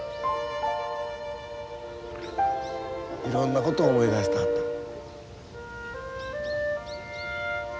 いろんなこと思い出してあった。